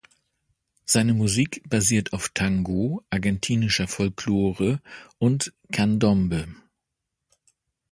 Seine Musik basiert auf Tango, argentinischer Folklore und Candombe.